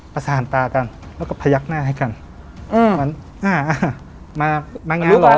ประสานตากันแล้วก็พยักหน้าให้กันอืมอ่ามามางานหรอรู้กัน